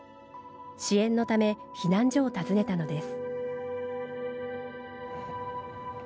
支援のため避難所を訪ねたのです。